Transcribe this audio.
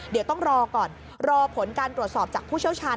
เดี๋ยวต้องรอก่อนรอผลการตรวจสอบจากผู้เชี่ยวชาญ